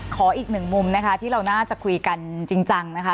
ขออีกหนึ่งมุมนะคะที่เราน่าจะคุยกันจริงจังนะคะ